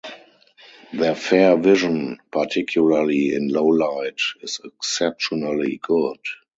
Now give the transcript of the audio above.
Their far vision, particularly in low light, is exceptionally good.